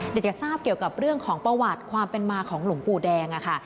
อยากจะทราบเกี่ยวกับเรื่องของประวัติความเป็นมาของหลวงปู่แดงอะค่ะ